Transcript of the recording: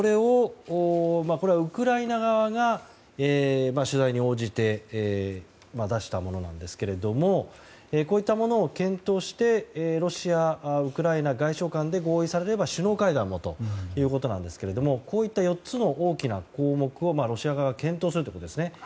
これはウクライナ側が取材に応じて出したものなんですけどもこういったものを検討してロシア、ウクライナ外相間で合意されれば首脳会談もということなんですがこういった４つの大きな項目をロシア側が検討するということですね。